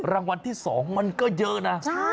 รางวัลที่๒มันก็เยอะนะ